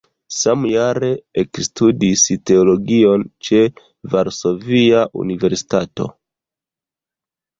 Samjare ekstudis teologion ĉe Varsovia Universitato.